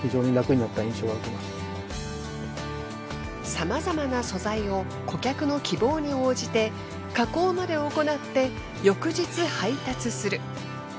さまざまな素材を顧客の希望に応じて加工まで行って翌日配達する。